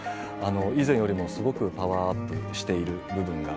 以前よりもすごくパワーアップしています。